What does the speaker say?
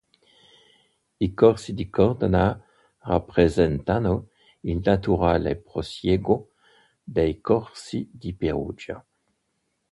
I corsi di Cortona rappresentano il naturale prosieguo dei corsi di Perugia.